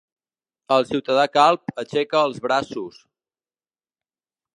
El ciutadà calb aixeca els braços.